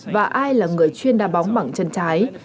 và ai là người chuyên đa bóng bằng chân trái